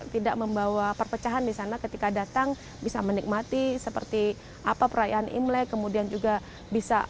tidak membawa perpecahan di sana ketika datang bisa menikmati seperti apa perayaan imlek kemudian juga bisa